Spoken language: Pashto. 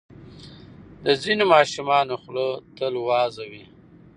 د ځینو ماشومانو خوله تل وازه وي.